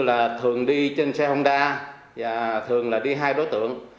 là thường đi trên xe hông đa và thường là đi hai đối tượng